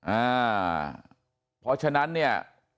อ่าเพราะฉะนั้นเนี่ย